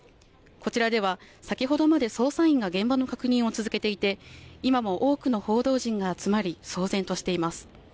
こちらでは先ほどまで捜査員が現場の確認を続けていて今も多くの報道陣が集まり騒然としています。